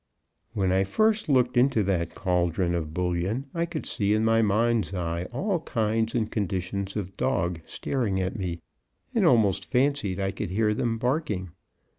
When I first looked into that caldron of bouillon, I could see in my mind's eye, all kinds and conditions of dog staring at me, and almost fancied I could hear them barking.